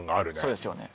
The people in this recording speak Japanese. そうですよね